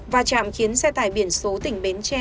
và chạm khiến xe tải biển số tỉnh bến tre